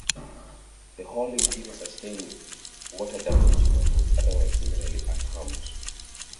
The hall interior sustained water damage but was otherwise "generally unharmed".